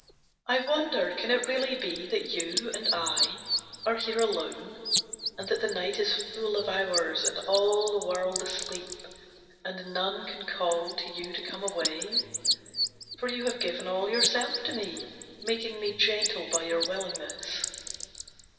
I wonder can it really be that you And I are here alone, and that the night Is full of hours, and all the world asleep, And none can call to you to come away; For you have given all yourself to me Making me gentle by your willingness.